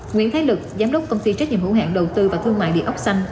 nguyễn thái lực giám đốc công ty trách nhiệm hữu hạn đầu tư và thương mại địa ốc xanh